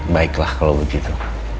baiklah kalau begitu